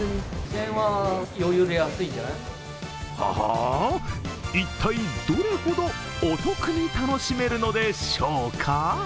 ほほ、一体どれほどお得に楽しめるのでしょうか。